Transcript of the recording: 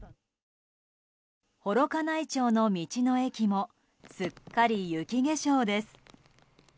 幌加内町の道の駅もすっかり雪化粧です。